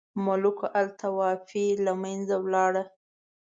ملوک الطوایفي له منځه ولاړه.